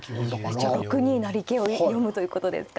じゃあ６二成桂を読むということですか。